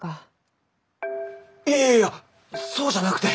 いやいやいやそうじゃなくて。